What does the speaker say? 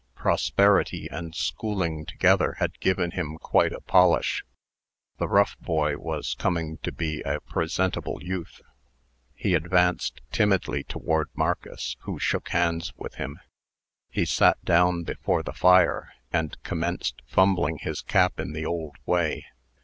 Prosperity and schooling together had given him quite a polish. The rough boy was coming to be a presentable youth. He advanced timidly toward Marcus, who shook hands with him. He sat down before the fire, and commenced fumbling his cap in the old way.